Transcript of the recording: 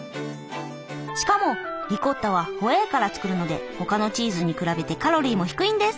しかもリコッタはホエーから作るので他のチーズに比べてカロリーも低いんです。